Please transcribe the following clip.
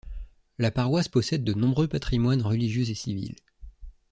La paroisse possède de nombreux patrimoines religieux et civils.